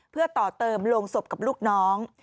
เพื่อต่อเติมโรงศพกับลูกน้อง